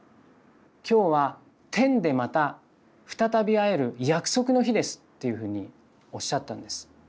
今日は天でまた再び会える約束の日です」っていうふうにおっしゃったんです。